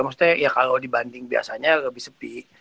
maksudnya ya kalau dibanding biasanya lebih sepi